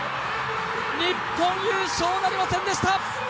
日本優勝なりませんでした。